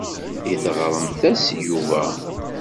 I teɣremt-as i Yuba?